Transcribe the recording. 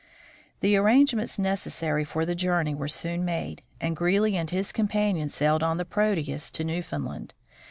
The arrangements necessary for the journey were soon made, and Greely and his companions sailed on the Proteus to Newfoundland.